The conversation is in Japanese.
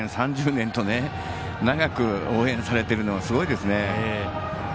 ２０年、３０年と長く応援されているのすごいですね。